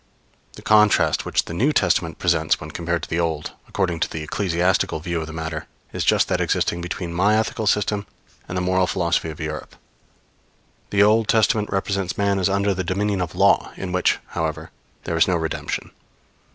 The contrast which the New Testament presents when compared with the Old, according to the ecclesiastical view of the matter, is just that existing between my ethical system and the moral philosophy of Europe. The Old Testament represents man as under the dominion of Law, in which, however, there is no redemption.